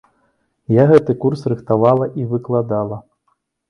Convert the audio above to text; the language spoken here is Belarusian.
Я гэты курс рыхтавала і выкладала.